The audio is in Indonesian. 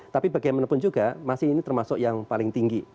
tapi bagaimanapun juga masih ini termasuk yang paling tinggi